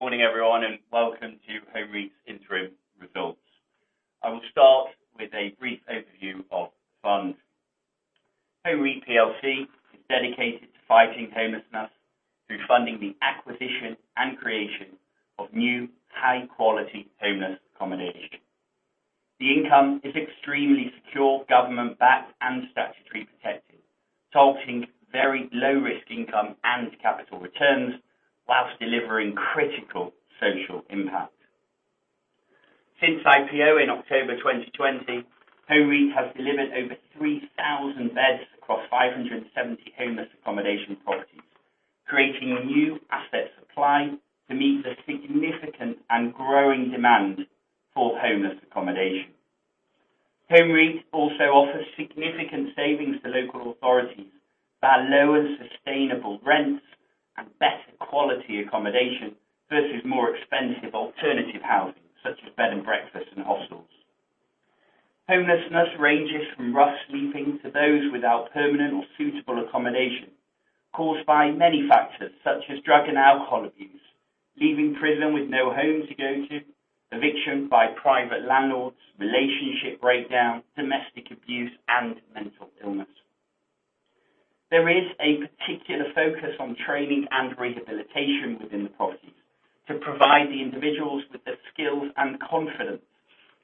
Morning everyone, and welcome to Home REIT's interim results. I will start with a brief overview of the fund. Home REIT plc is dedicated to fighting homelessness through funding the acquisition and creation of new high-quality homeless accommodation. The income is extremely secure, government-backed, and statutory protected, resulting in very low-risk income and capital returns while delivering critical social impact. Since IPO in October 2020, Home REIT has delivered over 3,000 beds across 570 homeless accommodation properties, creating a new asset supply to meet the significant and growing demand for homeless accommodation. Home REIT also offers significant savings to local authorities via lower sustainable rents and better quality accommodation versus more expensive alternative housing such as bed and breakfast and hostels. Homelessness ranges from rough sleeping to those without permanent or suitable accommodation caused by many factors such as drug and alcohol abuse, leaving prison with no home to go to, eviction by private landlords, relationship breakdown, domestic abuse, and mental illness. There is a particular focus on training and rehabilitation within the properties to provide the individuals with the skills and confidence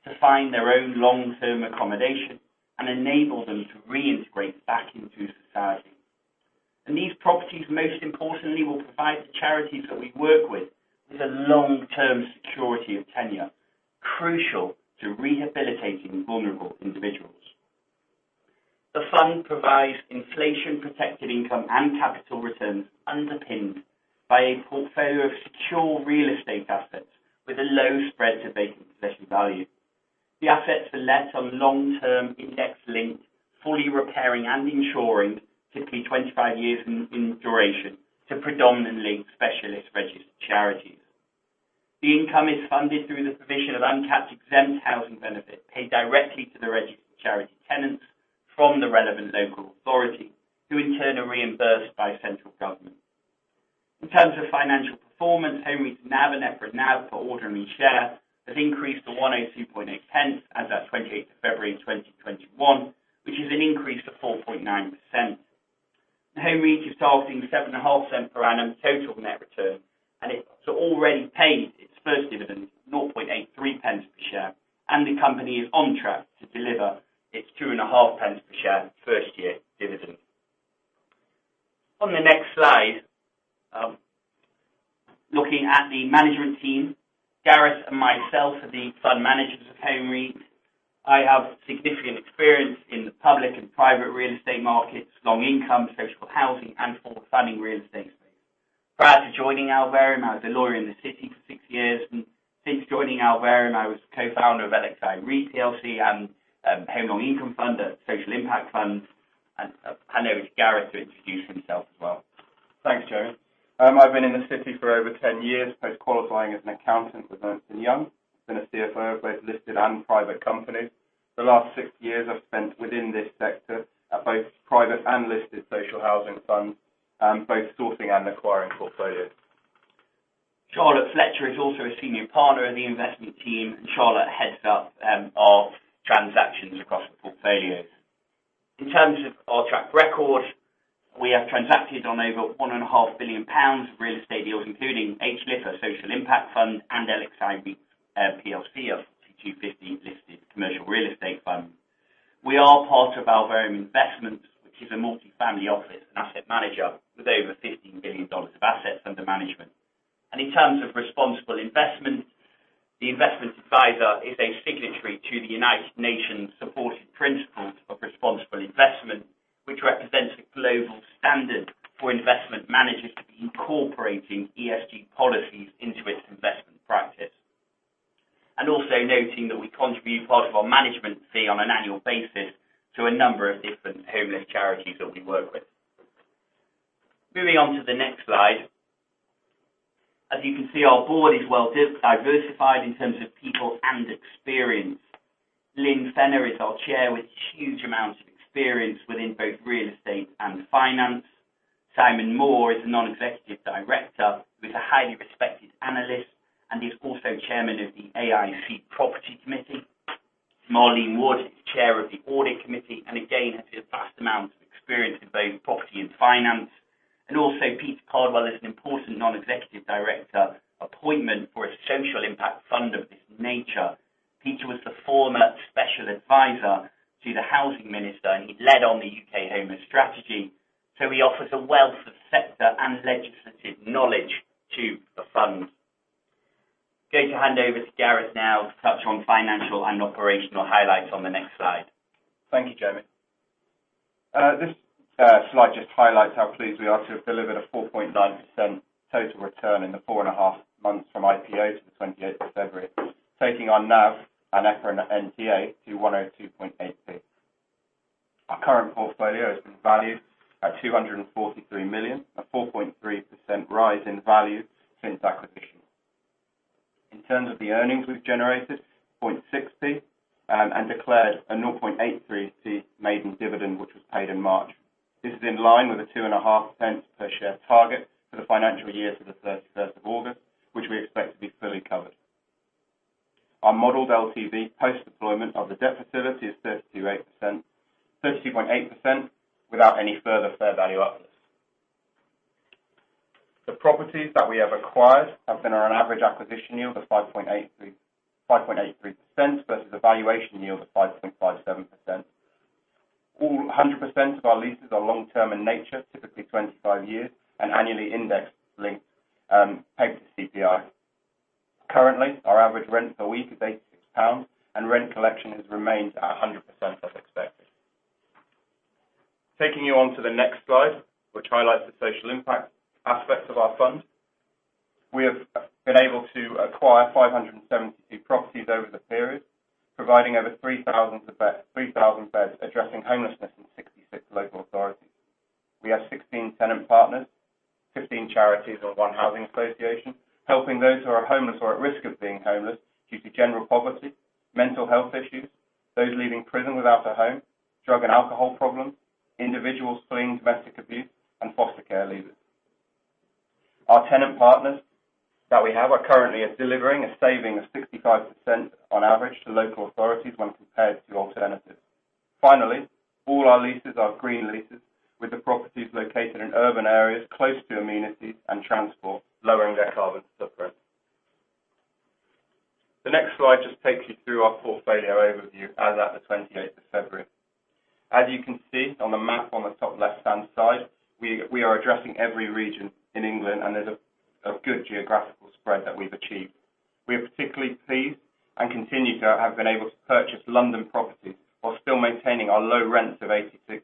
to find their own long-term accommodation and enable them to reintegrate back into society. These properties, most importantly, will provide the charities that we work with with a long-term security of tenure, crucial to rehabilitating vulnerable individuals. The fund provides inflation-protected income and capital returns underpinned by a portfolio of secure real estate assets with a low spread to vacant possession value. The assets are let on long-term index-linked, fully repairing and insuring, typically 25 years in duration, to predominantly specialist registered charities. The income is funded through the provision of uncapped exempt housing benefit paid directly to the registered charity tenants from the relevant local authority, who in turn are reimbursed by central government. In terms of financial performance, Home REIT NAV and EPRA NAV per ordinary share has increased to 1.028 as at 28th of February 2021, which is an increase of 4.9%. Home REIT is targeting 7.5% per annum total net return, and it has already paid its first dividend, 0.0083 per share, and the company is on track to deliver its 0.025 per share first-year dividend. On the next Slide, looking at the management team, Gareth and myself are the fund managers of Home REIT. I have significant experience in the public and private real estate markets, long income, social housing, and forward-funded real estate space. Prior to joining Alvarium, I was a lawyer in the City for six years, and since joining Alvarium, I was co-founder of LXi REIT plc and Home Long Income Fund, a social impact fund. I'll hand over to Gareth to introduce himself as well. Thanks, Jamie. I've been in the City for over 10 years, post qualifying as an accountant with Ernst & Young. Been a CFO of both listed and private companies. The last six years I've spent within this sector at both private and listed social housing funds, both sourcing and acquiring portfolios. Charlotte Fletcher is also a senior partner in the investment team. Charlotte heads up our transactions across the portfolios. In terms of our track record, we have transacted on over 1.5 billion pounds of real estate deals, including Home Long Income Fund and LXi REIT plc, a FTSE 250-listed commercial real estate fund. We are part of Alvarium Investments, which is a multi-family office and asset manager with over $15 billion of assets under management. In terms of responsible investment, the investment advisor is a signatory to the United Nations-supported Principles for Responsible Investment, which represents a global standard for investment managers to be incorporating ESG policies into its investment practice. Also noting that we contribute part of our management fee on an annual basis to a number of different homeless charities that we work with. Moving on to the next Slide. As you can see, our board is well-diversified in terms of people and experience. Lynne Fennah is our Chair with huge amounts of experience within both real estate and finance. Simon Moore is a non-executive director who is a highly respected analyst and is also chairman of the AIC Property Committee. Marlene Wood is Chair of the Audit Committee and again has a vast amount of experience in both property and finance. Also Peter Cardwell is an important non-executive director appointment for a social impact fund of this nature. Peter was the former special advisor to the housing minister, and he led on the UK Homelessness Strategy. He offers a wealth of sector and legislative knowledge to the fund. Going to hand over to Gareth now to touch on financial and operational highlights on the next Slide. Thank you, Jamie. This Slide just highlights how pleased we are to have delivered a 4.9% total return in the four and a half months from IPO to the 28th of February, taking our NAV and EPRA NTA to 1.028. Our current portfolio has been valued at 243 million, a 4.3% rise in value since acquisition. In terms of the earnings we've generated, 0.0060, and declared a 0.0083 maiden dividend, which was paid in March. This is in line with the two and a half pence per share target for the financial year to the 31st of August, which we expect to be fully covered. Our modeled LTV post-deployment of the debt facility is 32.8%, without any further fair value uplift. The properties that we have acquired have been on an average acquisition yield of 5.83% versus a valuation yield of 5.57%. 100% of our leases are long-term in nature, typically 25 years, and annually index-linked, pegged to CPI. Currently, our average rent per week is 86 pounds, and rent collection has remained at 100%, as expected. Taking you on to the next Slide, which highlights the social impact aspect of our fund. We have been able to acquire 572 properties over the period, providing over 3,000 beds addressing homelessness in 66 local authorities. We have 16 tenant partners, 15 charities and one housing association, helping those who are homeless or at risk of being homeless due to general poverty, mental health issues, those leaving prison without a home, drug and alcohol problems, individuals fleeing domestic abuse, and foster care leavers. Our tenant partners that we have are currently delivering a saving of 65% on average to local authorities when compared to alternatives. All our leases are green leases, with the properties located in urban areas close to amenities and transport, lowering their carbon footprint. The next Slide just takes you through our portfolio overview as at the 28th of February. You can see on the map on the top left-hand side, we are addressing every region in England, and there's a good geographical spread that we've achieved. We are particularly pleased and continue to have been able to purchase London properties while still maintaining our low rents of 86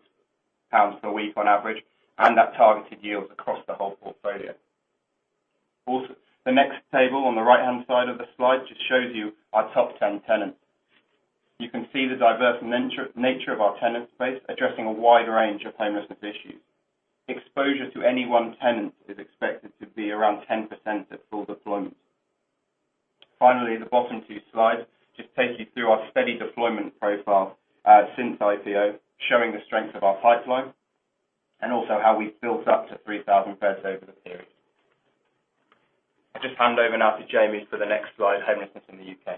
pounds per week on average and our targeted yields across the whole portfolio. The next table on the right-hand side of the Slide just shows you our top 10 tenants. You can see the diverse nature of our tenant space, addressing a wide range of homelessness issues. Exposure to any one tenant is expected to be around 10% at full deployment. The bottom two Slides just take you through our steady deployment profile since IPO, showing the strength of our pipeline and also how we've built up to 3,000 beds over the period. I just hand over now to Jamie for the next Slide, homelessness in the U.K.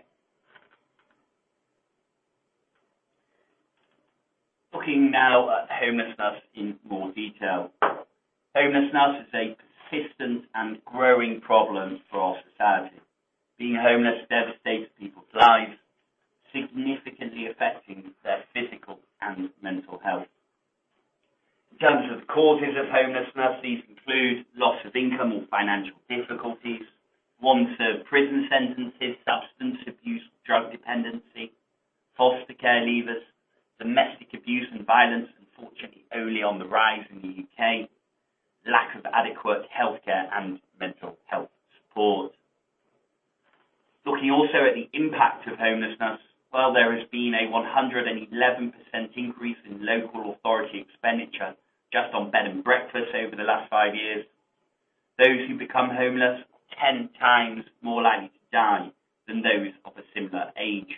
Looking now at homelessness in more detail. Homelessness is a persistent and growing problem for our society. Being homeless devastates people's lives, significantly affecting their physical and mental health. In terms of causes of homelessness, these include loss of income or financial difficulties, unserved prison sentences, substance abuse, drug dependency, foster care leavers, domestic abuse and violence, unfortunately only on the rise in the U.K., lack of adequate healthcare and mental health support. Looking also at the impact of homelessness, while there has been a 111% increase in local authority expenditure just on bed and breakfast over the last five years. Those who become homeless are 10 times more likely to die than those of a similar age.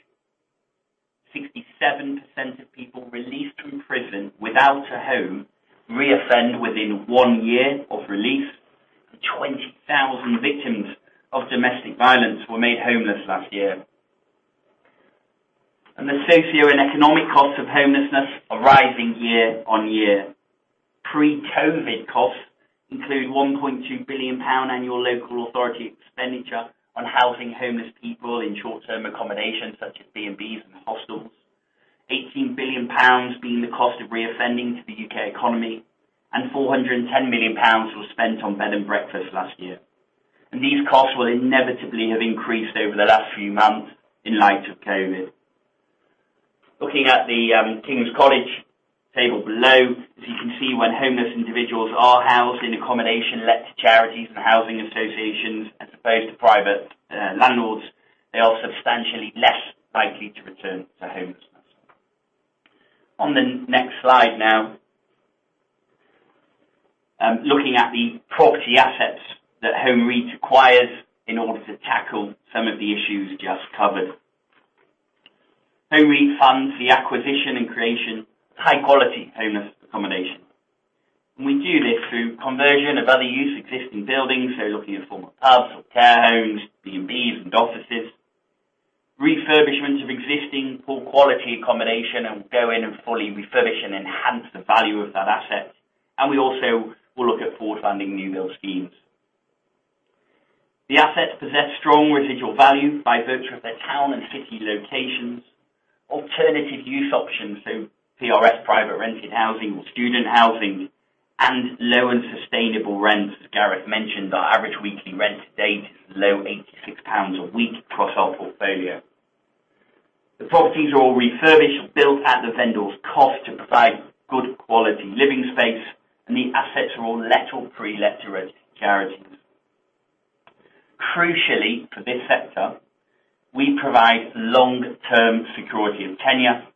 67% of people released from prison without a home reoffend within one year of release. 20,000 victims of domestic violence were made homeless last year. The socio and economic costs of homelessness are rising year on year. Pre-COVID costs include 1.2 billion pound annual local authority expenditure on housing homeless people in short-term accommodation such as B&Bs and hostels, 18 billion pounds being the cost of reoffending to the U.K. economy, and 410 million pounds was spent on bed and breakfast last year. These costs will inevitably have increased over the last few months in light of COVID. Looking at the King's College table below, as you can see, when homeless individuals are housed in accommodation let to charities and housing associations as opposed to private landlords, they are substantially less likely to return to homelessness. On the next Slide now. Looking at the property assets that Home REIT acquires in order to tackle some of the issues just covered. Home REIT funds the acquisition and creation of high-quality homeless accommodation. We do this through conversion of other use existing buildings, so looking at former pubs or care homes, B&Bs and offices. Refurbishment of existing poor-quality accommodation and go in and fully refurbish and enhance the value of that asset. We also will look at forward-funded new build schemes. The assets possess strong residual value by virtue of their town and city locations. Alternative use options, so PRS private rented housing or student housing and low unsustainable rents. As Gareth mentioned, our average weekly rent to date is low, 86 pounds a week across our portfolio. The properties are all refurbished or built at the vendor's cost to provide good quality living space, and the assets are all let or relet to registered charities. Crucially for this sector, we provide long-term security of tenure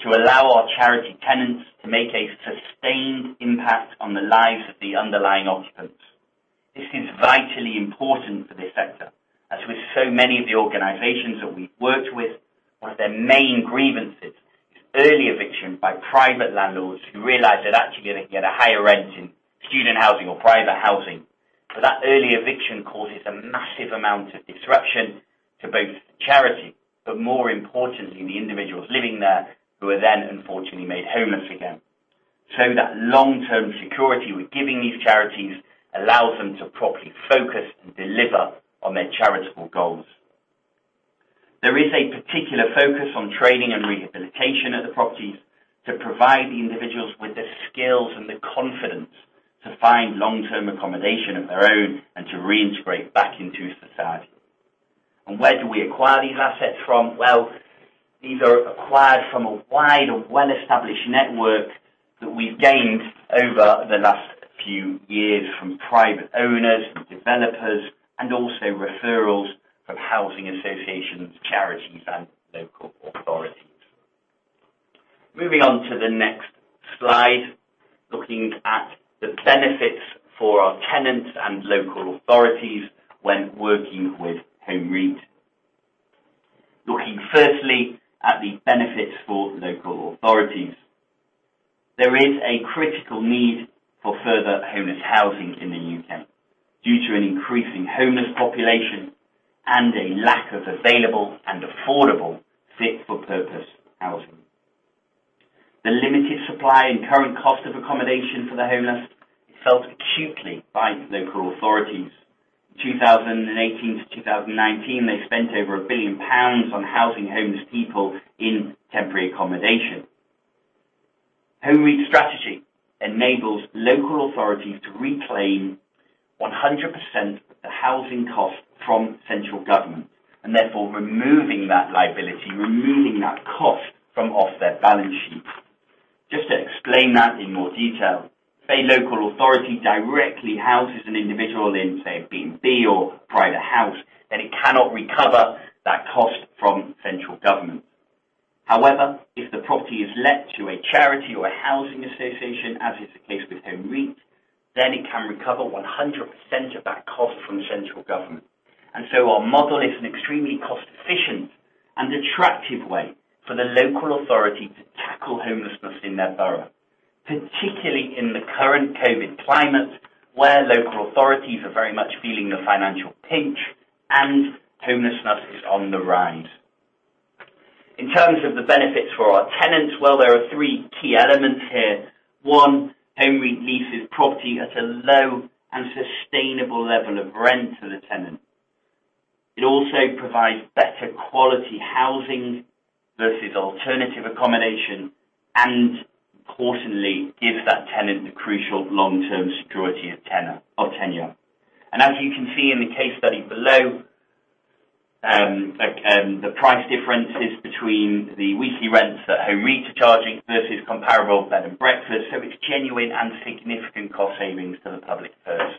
to allow our charity tenants to make a sustained impact on the lives of the underlying occupants. This is vitally important for this sector as with so many of the organizations that we've worked with, one of their main grievances is early eviction by private landlords who realize they're actually going to get a higher rent in student housing or private housing. That early eviction causes a massive amount of disruption to both the charity, but more importantly, the individuals living there, who are then unfortunately made homeless again. That long-term security we're giving these charities allows them to properly focus and deliver on their charitable goals. There is a particular focus on training and rehabilitation of the properties to provide the individuals with the skills and the confidence to find long-term accommodation of their own and to reintegrate back into society. Where do we acquire these assets from? Well, these are acquired from a wide and well-established network that we've gained over the last few years from private owners and developers, and also referrals from housing associations, charities, and local authorities. Moving on to the next Slide, looking at the benefits for our tenants and local authorities when working with Home REIT. Looking firstly at the benefits for local authorities. There is a critical need for further homeless housing in the U.K. due to an increasing homeless population and a lack of available and affordable fit-for-purpose housing. The limited supply and current cost of accommodation for the homeless is felt acutely by local authorities. In 2018 to 2019, they spent over 1 billion pounds on housing homeless people in temporary accommodation. Home REIT's strategy enables local authorities to reclaim 100% of the housing cost from central government, therefore removing that liability, removing that cost from off their balance sheet. Just to explain that in more detail, say, local authority directly houses an individual in, say, a B&B or private house, then it cannot recover that cost from central government. However, if the property is let to a charity or a housing association, as is the case with Home REIT, then it can recover 100% of that cost from central government. Our model is an extremely cost-efficient and attractive way for the local authority to tackle homelessness in their borough, particularly in the current COVID climate, where local authorities are very much feeling the financial pinch and homelessness is on the rise. In terms of the benefits for our tenants, well, there are three key elements here. One, Home REIT leases property at a low and sustainable level of rent to the tenant. It also provides better quality housing versus alternative accommodation and importantly, gives that tenant the crucial long-term security of tenure. As you can see in the case study below, the price differences between the weekly rents that Home REIT are charging versus comparable Bed and Breakfasts, so it's genuine and significant cost savings to the public purse.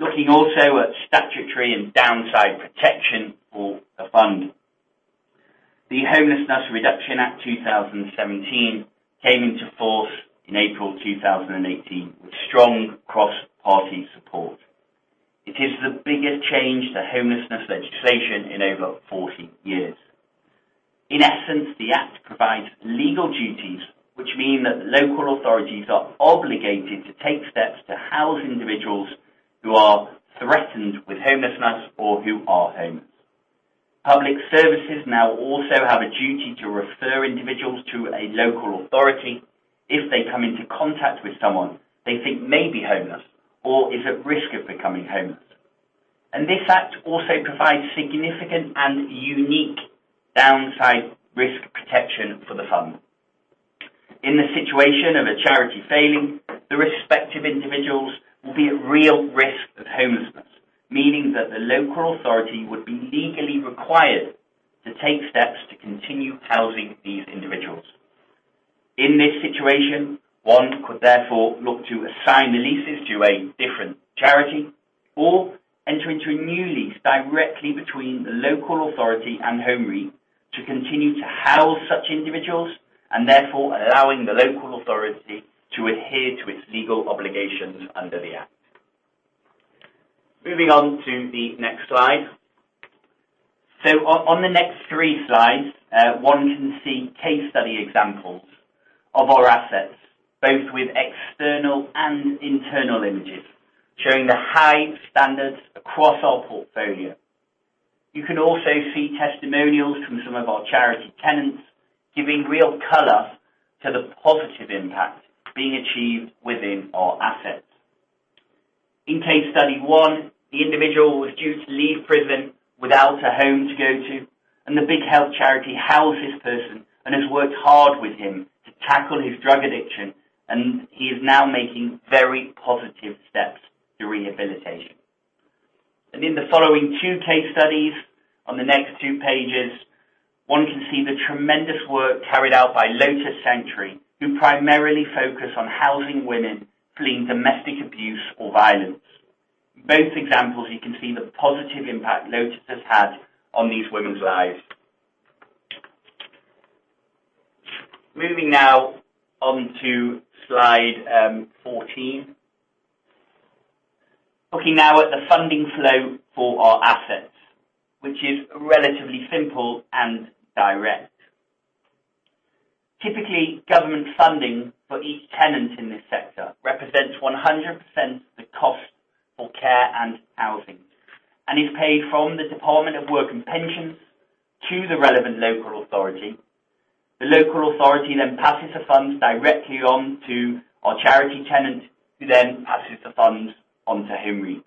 Looking also at statutory and downside protection for the fund. The Homelessness Reduction Act 2017 came into force in April 2018 with strong cross-party support. It is the biggest change to homelessness legislation in over 40 years. In essence, the act provides legal duties, which mean that local authorities are obligated to take steps to house individuals who are threatened with homelessness or who are homeless. Public services now also have a duty to refer individuals to a local authority if they come into contact with someone they think may be homeless or is at risk of becoming homeless. This act also provides significant and unique downside risk protection for the fund. In the situation of a charity failing, the respective individuals will be at real risk of homelessness, meaning that the local authority would be legally required to take steps to continue housing these individuals. In this situation, one could therefore look to assign the leases to a different charity or enter into a new lease directly between the local authority and Home REIT to continue to house such individuals, and therefore allowing the local authority to adhere to its legal obligations under the act. Moving on to the next Slide. On the next three Slides, one can see case study examples of our assets, both with external and internal images, showing the high standards across our portfolio. You can also see testimonials from some of our charity tenants, giving real color to the positive impact being achieved within our assets. In case study 1, the individual was due to leave prison without a home to go to, and the big health charity housed this person and has worked hard with him to tackle his drug addiction, and he is now making very positive steps to rehabilitation. In the following two case studies on the next two pages. One can see the tremendous work carried out by Lotus Sanctuary, who primarily focus on housing women fleeing domestic abuse or violence. In both examples, you can see the positive impact Lotus has had on these women's lives. Moving now on to Slide 14. Looking now at the funding flow for our assets, which is relatively simple and direct. Typically, government funding for each tenant in this sector represents 100% of the cost for care and housing and is paid from the Department for Work and Pensions to the relevant local authority. The local authority then passes the funds directly on to our charity tenant, who then passes the funds onto Home REIT.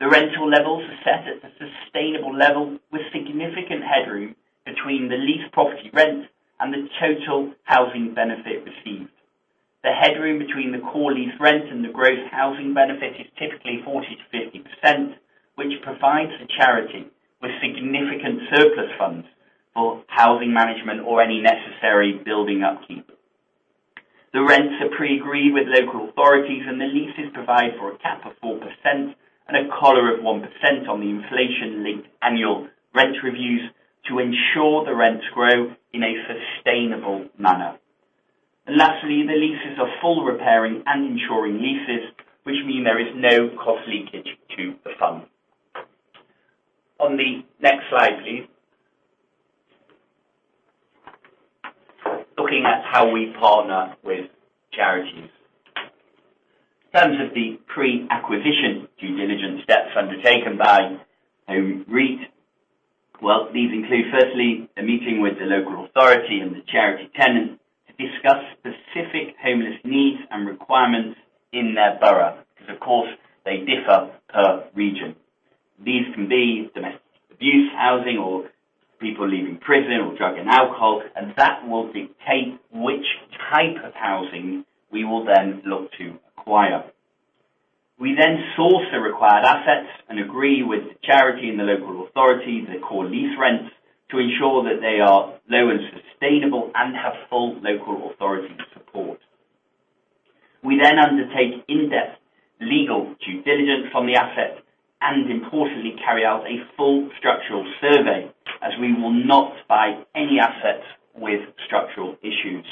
The rental levels are set at a sustainable level with significant headroom between the lease property rent and the total housing benefit received. The headroom between the core lease rent and the gross housing benefit is typically 40%-50%, which provides the charity with significant surplus funds for housing management or any necessary building upkeep. The rents are pre-agreed with local authorities. The leases provide for a cap of 4% and a collar of 1% on the inflation-linked annual rent reviews to ensure the rents grow in a sustainable manner. Lastly, the leases are full repairing and insuring leases, which mean there is no cost leakage to the fund. On the next Slide, please. Looking at how we partner with charities. In terms of the pre-acquisition due diligence steps undertaken by Home REIT, well, these include firstly, a meeting with the local authority and the charity tenant to discuss specific homeless needs and requirements in their borough, because of course, they differ per region. These can be domestic abuse housing or people leaving prison or drug and alcohol. That will dictate which type of housing we will then look to acquire. We source the required assets and agree with the charity and the local authority the core lease rents to ensure that they are low and sustainable and have full local authority support. We undertake in-depth legal due diligence on the assets and importantly, carry out a full structural survey as we will not buy any assets with structural issues.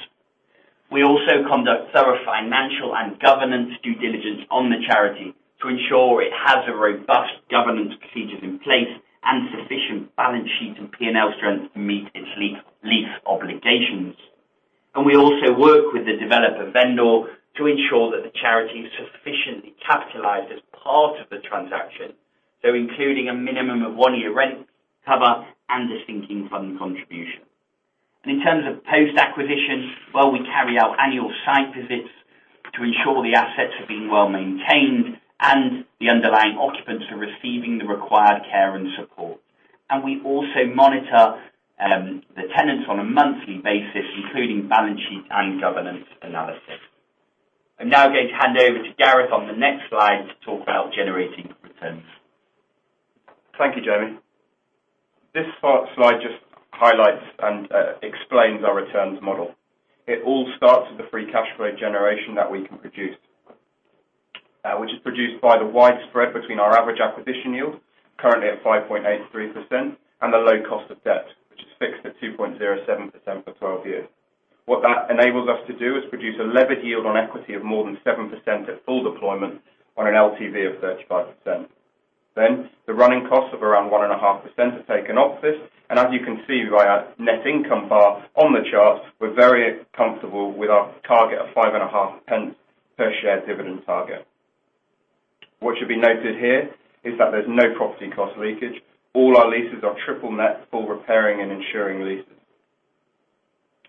We also conduct thorough financial and governance due diligence on the charity to ensure it has the robust governance procedures in place and sufficient balance sheet and P&L strength to meet its lease obligations. We also work with the developer vendor to ensure that the charity is sufficiently capitalized as part of the transaction. Including a minimum of one-year rent cover and a sinking fund contribution. In terms of post-acquisition, well, we carry out annual site visits to ensure the assets are being well-maintained and the underlying occupants are receiving the required care and support. We also monitor the tenants on a monthly basis, including balance sheet and governance analysis. I'm now going to hand over to Gareth on the next Slide to talk about generating returns. Thank you, Jamie. This Slide just highlights and explains our returns model. It all starts with the free cash flow generation that we can produce, which is produced by the wide spread between our average acquisition yield, currently at 5.83%, and the low cost of debt, which is fixed at 2.07% for 12 years. What that enables us to do is produce a levered yield on equity of more than 7% at full deployment on an LTV of 35%. The running costs of around 1.5% are taken off this. As you can see by our net income bar on the chart, we're very comfortable with our target of 0.055 per share dividend target. What should be noted here is that there's no property cost leakage. All our leases are triple net full repairing and insuring leases.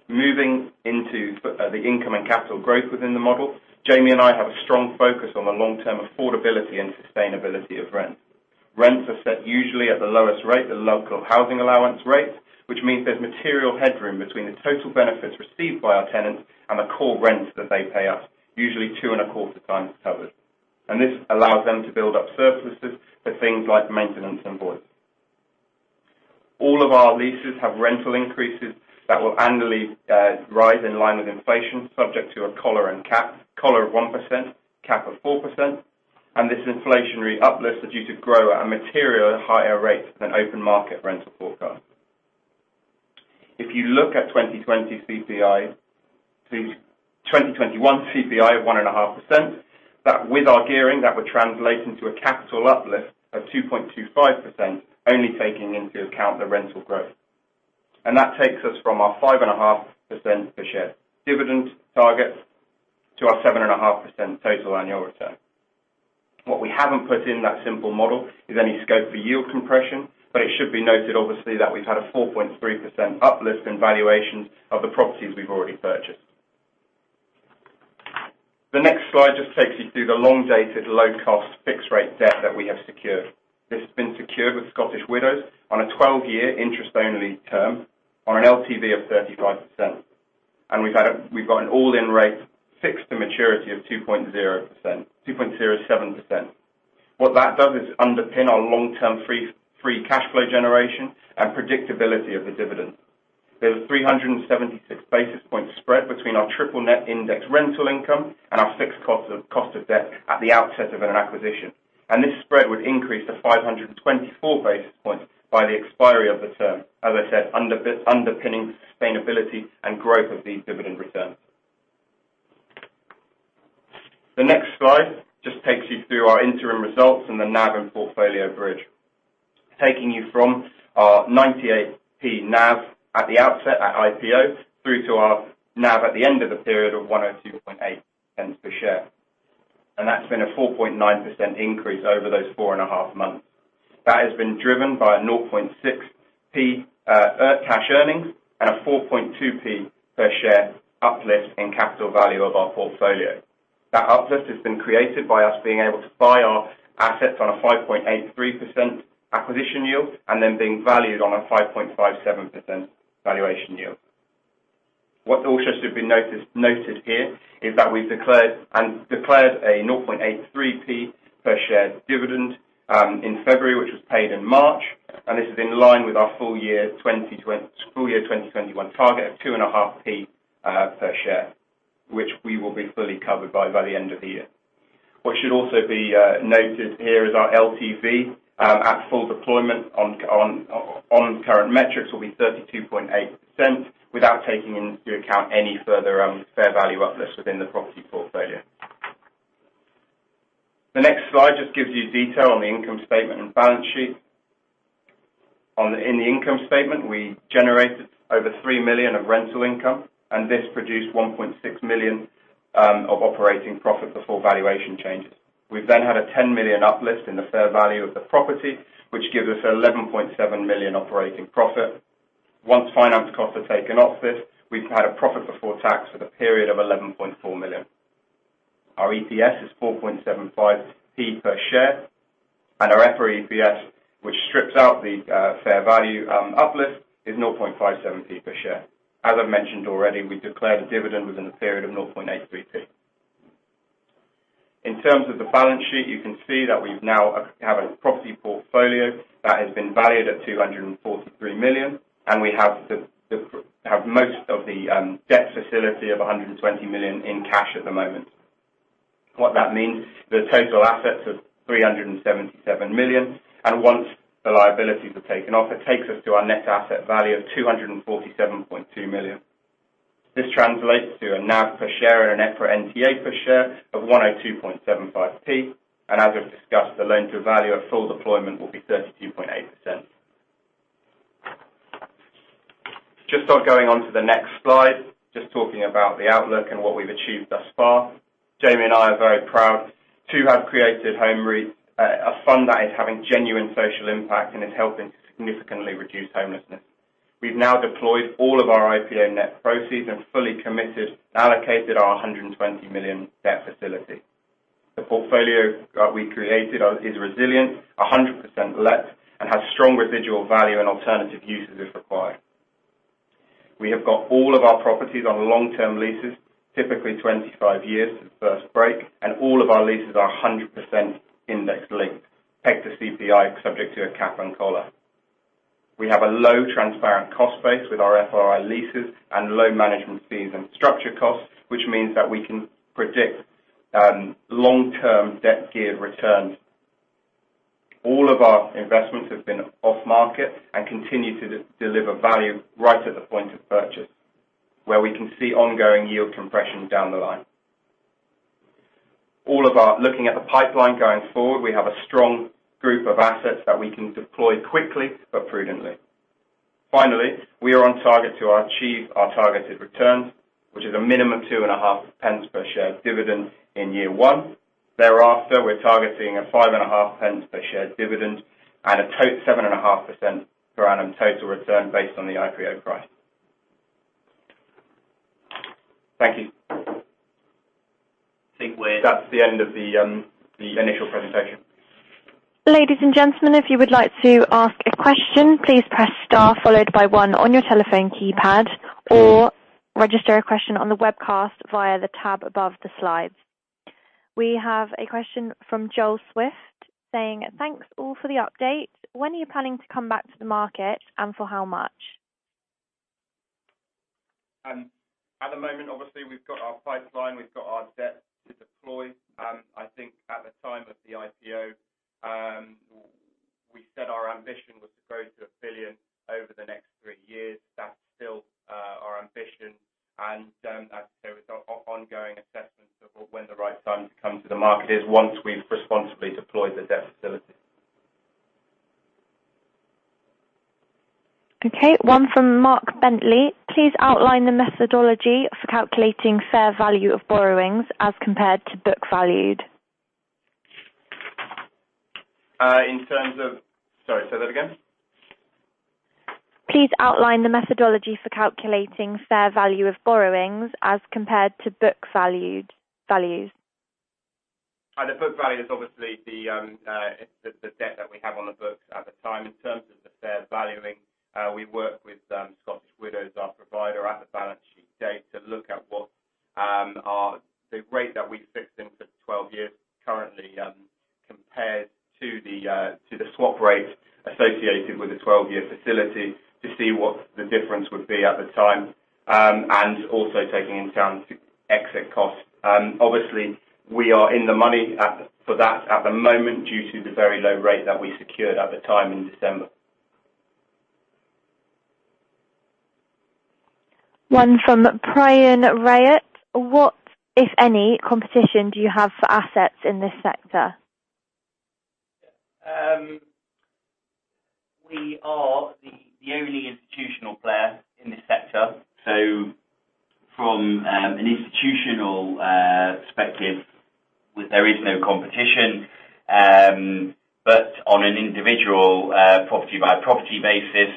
Moving into the income and capital growth within the model, Jamie and I have a strong focus on the long-term affordability and sustainability of rents. Rents are set usually at the lowest rate, the Local Housing Allowance rate, which means there's material headroom between the total benefits received by our tenants and the core rents that they pay us, usually two and a quarter times covered. This allows them to build up surpluses for things like maintenance and voids. All of our leases have rental increases that will annually rise in line with inflation, subject to a collar and cap. Collar of 1%, cap of 4%. This inflationary uplift is due to grow at a material higher rate than open market rental forecast. If you look at 2021 CPI of 1.5%, that with our gearing, that would translate into a capital uplift of 2.25%, only taking into account the rental growth. That takes us from our 5.5% per share dividend target to our 7.5% total annual return. What we haven't put in that simple model is any scope for yield compression, but it should be noted, obviously, that we've had a 4.3% uplift in valuations of the properties we've already purchased. The next Slide just takes you through the long-dated, low-cost fixed-rate debt that we have secured. This has been secured with Scottish Widows on a 12-year interest-only term on an LTV of 35%. We've got an all-in rate fixed to maturity of 2.07%. What that does is underpin our long-term free cash flow generation and predictability of the dividend. There's a 376 basis point spread between our triple net index rental income and our fixed cost of debt at the outset of an acquisition. This spread would increase to 524 basis points by the expiry of the term, as I said, underpinning sustainability and growth of the dividend return. The next Slide just takes you through our interim results and the NAV and portfolio bridge. Taking you from our 0.98 NAV at the outset at IPO, through to our NAV at the end of the period of 1.028 per share. That's been a 4.9% increase over those four and a half months. That has been driven by a 0.006 cash earnings and a 0.042 per share uplift in capital value of our portfolio. That uplift has been created by us being able to buy our assets on a 5.83% acquisition yield and then being valued on a 5.57% valuation yield. What also should be noted here is that we've declared a 0.83p per share dividend in February, which was paid in March, and this is in line with our full year 2021 target of 2.5p per share, which we will be fully covered by the end of the year. What should also be noted here is our LTV at full deployment on current metrics will be 32.8% without taking into account any further fair value uplift within the property portfolio. The next Slide just gives you detail on the income statement and balance sheet. In the income statement, we generated over 3 million of rental income, and this produced 1.6 million of operating profit before valuation changes. We've had a 10 million uplift in the fair value of the property, which gives us 11.7 million operating profit. Once finance costs are taken off this, we've had a profit before tax for the period of 11.4 million. Our EPS is 0.0475 per share, our EPRA EPS, which strips out the fair value uplift, is 0.0057 per share. As I've mentioned already, we declared a dividend within the period of 0.0083. In terms of the balance sheet, you can see that we now have a property portfolio that has been valued at 243 million, we have most of the debt facility of 120 million in cash at the moment. What that means, the total assets are 377 million, once the liabilities are taken off, it takes us to our net asset value of 247.2 million. This translates to a NAV per share and an EPRA NTA per share of 102.75p, and as we've discussed, the loan-to-value at full deployment will be 32.8%. Just going on to the next Slide, just talking about the outlook and what we've achieved thus far. Jamie and I are very proud to have created Home REIT, a fund that is having genuine social impact and is helping to significantly reduce homelessness. We've now deployed all of our IPO net proceeds and fully committed and allocated our 120 million debt facility. The portfolio that we created is resilient, 100% let, and has strong residual value and alternative uses if required. We have got all of our properties on long-term leases, typically 25 years to the first break, and all of our leases are 100% index-linked, pegged to CPI subject to a cap and collar. We have a low, transparent cost base with our FRI leases and low management fees and structure costs, which means that we can predict long-term debt-geared returns. All of our investments have been off-market and continue to deliver value right at the point of purchase, where we can see ongoing yield compression down the line. Looking at the pipeline going forward, we have a strong group of assets that we can deploy quickly but prudently. Finally, we are on target to achieve our targeted returns, which is a minimum 0.025 per share dividend in year one. Thereafter, we're targeting a 0.055 per share dividend and a 7.5% per annum total return based on the IPO price. Thank you. I think we're- That's the end of the initial presentation. We have a question from Joel Swift saying, "Thanks all for the update. When are you planning to come back to the market, and for how much? At the moment, obviously, we've got our pipeline, we've got our debt to deploy. I think at the time of the IPO, we said our ambition was to grow to 1 billion over the next three years. That's still our ambition. As I say, we've got ongoing assessments of when the right time to come to the market is once we've responsibly deployed the debt facility. Okay. One from Mark Bentley. "Please outline the methodology for calculating fair value of borrowings as compared to book value? Sorry, say that again. Please outline the methodology for calculating fair value of borrowings as compared to book values. The book value is obviously the debt that we have on the books at the time. In terms of the fair valuing, we work with Scottish Widows, our provider, at the balance sheet date to look at what the rate that we fixed in for 12 years currently compares to the swap rate associated with the 12-year facility to see what the difference would be at the time, and also taking into account exit costs. Obviously, we are in the money for that at the moment due to the very low rate that we secured at the time in December. One from Priyan Rayat. What, if any, competition do you have for assets in this sector? We are the only institutional player in this sector. From an institutional perspective, there is no competition. On an individual property-by-property basis,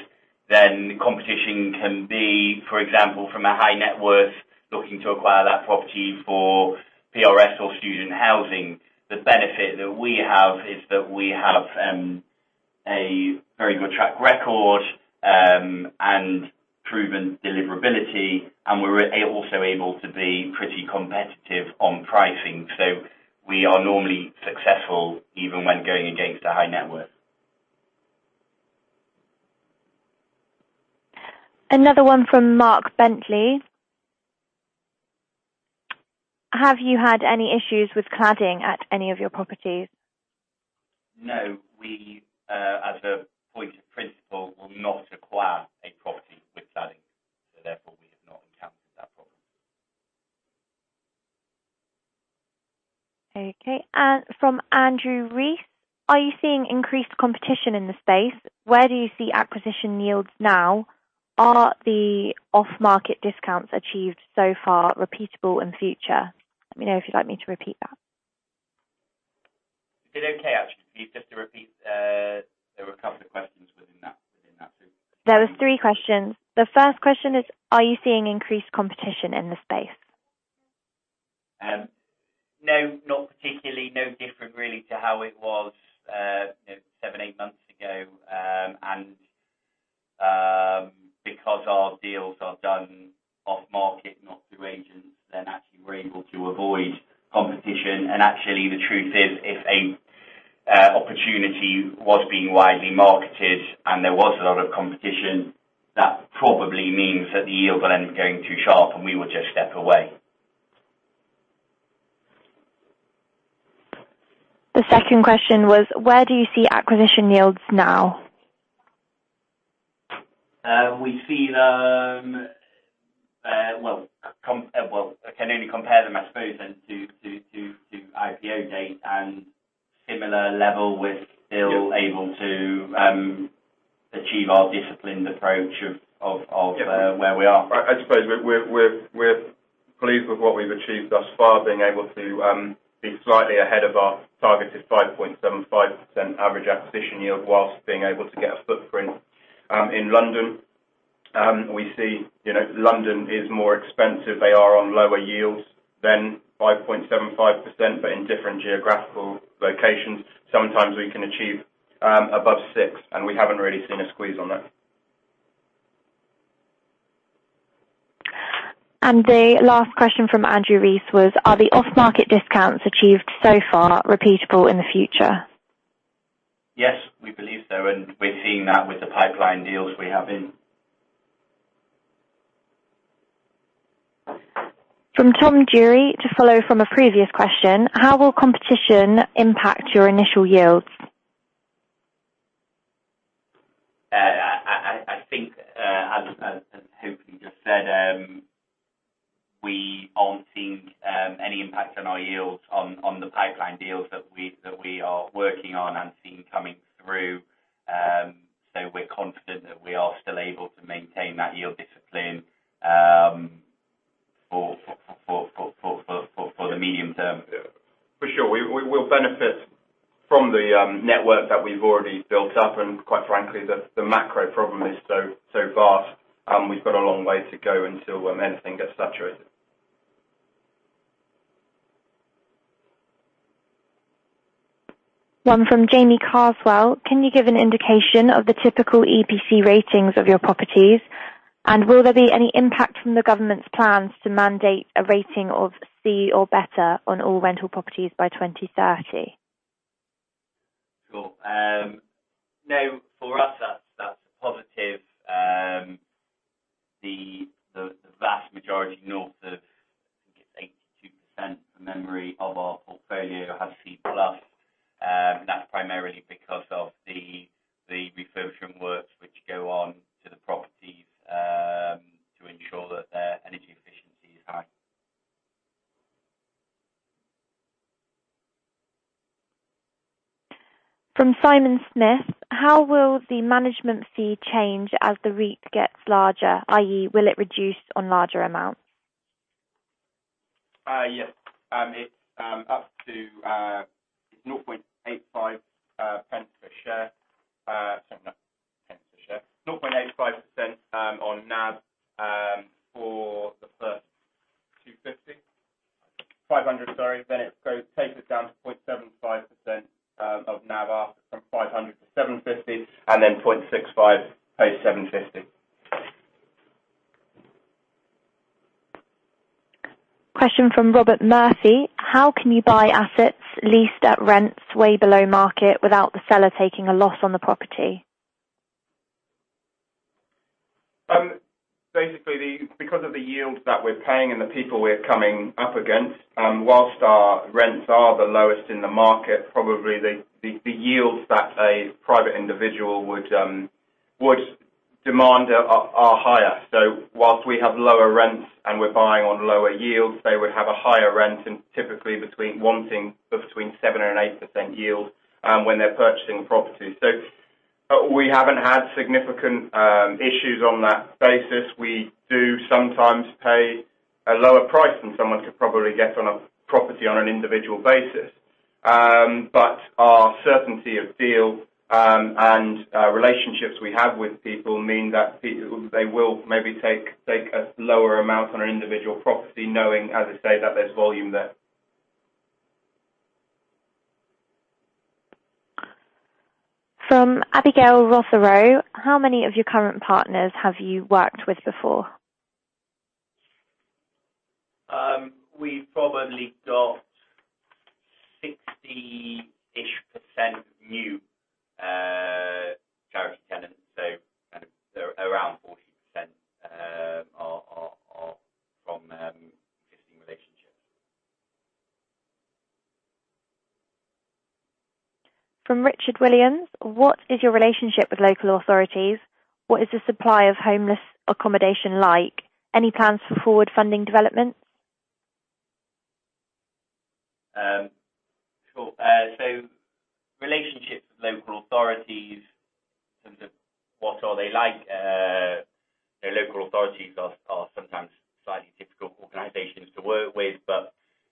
competition can be, for example, from a high net worth looking to acquire that property for PRS or student housing. The benefit that we have is that we have a very good track record and proven deliverability, we're also able to be pretty competitive on pricing. We are normally successful even when going against a high net worth. Another one from Mark Bentley. Have you had any issues with cladding at any of your properties? No, we, as a point of principle, will not acquire a property with cladding. Therefore we have not encountered that problem. Okay. From Andrew Reece. Are you seeing increased competition in the space? Where do you see acquisition yields now? Are the off-market discounts achieved so far repeatable in future? Let me know if you'd like me to repeat that. Did okay, actually. Please just repeat. There were a couple of questions within that too. There was three questions. The first question is, are you seeing increased competition in the space? No, not particularly. No different really to how it was seven, eight months ago. Because our deals are done off-market, not through agents, then actually we're able to avoid competition. Actually, the truth is, if an opportunity was being widely marketed and there was a lot of competition, that probably means that the yield will end up going too sharp and we will just step away. The second question was, where do you see acquisition yields now? Well, I can only compare them, I suppose then, to IPO date and similar level. We're still able to achieve our disciplined approach of where we are. I suppose we're pleased with what we've achieved thus far, being able to be slightly ahead of our targeted 5.75% average acquisition yield while being able to get a footprint in London. We see London is more expensive. They are on lower yields than 5.75%, but in different geographical locations. Sometimes we can achieve above 6%, we haven't really seen a squeeze on that. The last question from Andrew Reece was: Are the off-market discounts achieved so far repeatable in the future? Yes, we believe so, and we're seeing that with the pipeline deals we have in. From Tom Jury. To follow from a previous question, how will competition impact your initial yields? I think, as hopefully just said, we aren't seeing any impact on our yields on the pipeline deals that we are working on and seeing coming through. We're confident that we are still able to maintain that yield discipline for the medium term. For sure. We'll benefit from the network that we've already built up, and quite frankly, the macro problem is so vast, we've got a long way to go until anything gets saturated. One from Jamie Carswell. Can you give an indication of the typical EPC ratings of your properties, and will there be any impact from the government's plans to mandate a rating of C or better on all rental properties by 2030? Sure. No, for us, that's a positive. The vast majority, north of, I think it's 82%, from memory, of our portfolio have C plus. That's primarily because of the refurbishment works which go on to the properties to ensure that their energy efficiency is high. From Simon Smith. How will the management fee change as the REIT gets larger, i.e., will it reduce on larger amounts? Yes. It's up to 0.0085 per share. Sorry about that. 85% on NAV for the first 250. 500, sorry. It goes tapered down to 0.75% of NAV from 500 to 750, and then 0.65% post 750. Question from Robert Murphy. How can you buy assets leased at rents way below market without the seller taking a loss on the property? Basically, because of the yields that we're paying and the people we're coming up against, whilst our rents are the lowest in the market, probably the yields that a private individual would demand are higher. Whilst we have lower rents and we're buying on lower yields, they would have a higher rent and typically wanting between 7%-8% yield when they're purchasing property. We haven't had significant issues on that basis. We do sometimes pay a lower price than someone could probably get on a property on an individual basis. Our certainty of deal and relationships we have with people mean that they will maybe take a lower amount on an individual property knowing, as I say, that there's volume there. From Abigail Rotheroe. How many of your current partners have you worked with before? We've probably got 60-ish% new charity tenants. Around 40% are from existing relationships. From Richard Williams. What is your relationship with local authorities? What is the supply of homeless accommodation like? Any plans for forward funding developments? Sure. Relationships with local authorities in terms of what are they like? Local authorities are sometimes slightly difficult organizations to work with.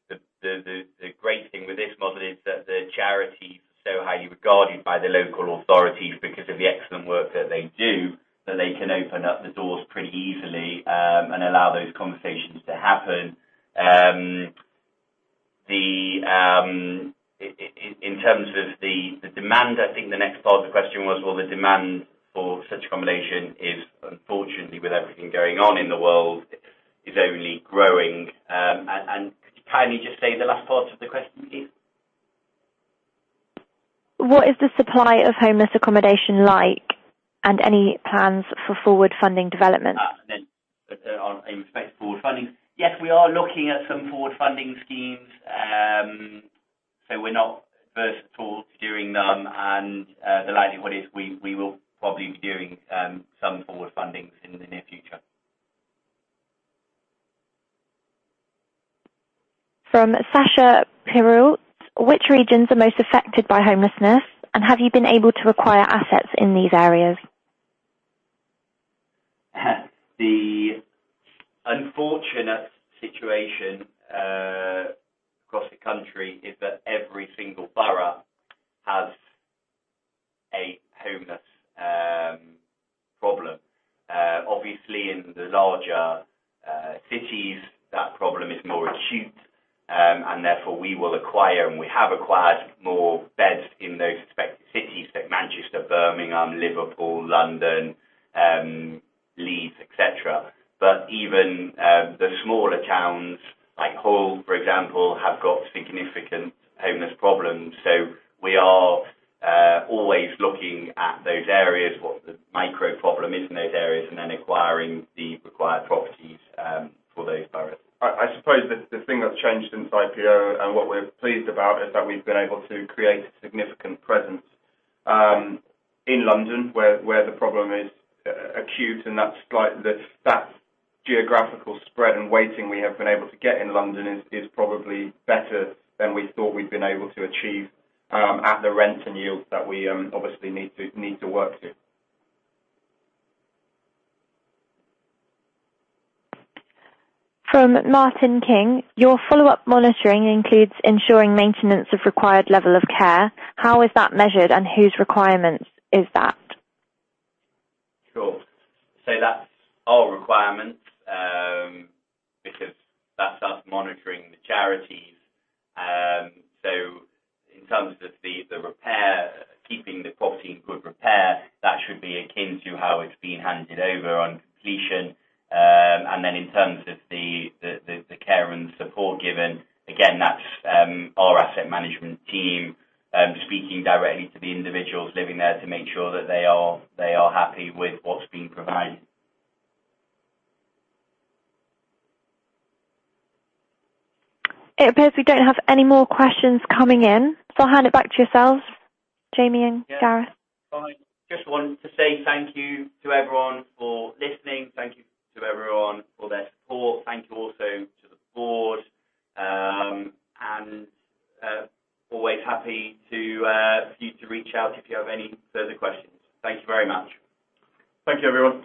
The great thing with this model is that the charity is so highly regarded by the local authorities because of the excellent work that they do, that they can open up the doors pretty easily and allow those conversations to happen. In terms of the demand, I think the next part of the question was, well, the demand for such accommodation is unfortunately, with everything going on in the world, is only growing. Can you just say the last part of the question, please? What is the supply of homeless accommodation like, and any plans for forward funding development? In respect to forward funding. Yes, we are looking at some forward funding schemes. We're not adverse at all to doing them. The likelihood is we will probably be doing some forward fundings in the near future. From Sasha Perrault. Which regions are most affected by homelessness, and have you been able to acquire assets in these areas? The unfortunate situation across the country is that every single borough has a homeless problem. Obviously, in the larger cities, that problem is more acute, and therefore we will acquire, and we have acquired more beds in those respective cities like Manchester, Birmingham, Liverpool, London, Leeds, et cetera. Even the smaller towns like Hull, for example, have got significant homeless problems. We are always looking at those areas, what the micro problem is in those areas, and then acquiring the required properties for those boroughs. I suppose the thing that's changed since IPO, and what we're pleased about, is that we've been able to create a significant presence in London where the problem is acute, and that geographical spread and weighting we have been able to get in London is probably better than we thought we'd been able to achieve at the rent and yield that we obviously need to work to. From Martyn King. Your follow-up monitoring includes ensuring maintenance of required level of care. How is that measured, and whose requirements is that? Sure. That's our requirements because that's us monitoring the charities. In terms of the repair, keeping the property in good repair, that should be akin to how it's been handed over on completion. In terms of the care and support given, again, that's our asset management team speaking directly to the individuals living there to make sure that they are happy with what's being provided. It appears we don't have any more questions coming in. I'll hand it back to yourselves, Jamie and Gareth. Yeah. Fine. Just wanted to say thank you to everyone for listening. Thank you to everyone for their support. Thank you also to the board. Always happy for you to reach out if you have any further questions. Thank you very much. Thank you, everyone.